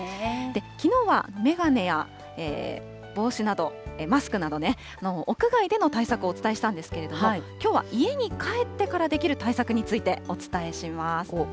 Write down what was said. きのうは眼鏡や帽子など、マスクなどね、屋外での対策をお伝えしたんですけれども、きょうは家に帰ってからできる対策についてお伝えします。